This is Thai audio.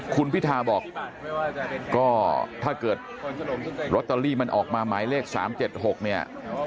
คุณพิทาบอกก็ถ้าเกิดลอตเตอรี่มันออกมาหมายเลข๓๗๖เนี่ย